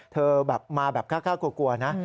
แบบมาแบบกล้ากลัวนะ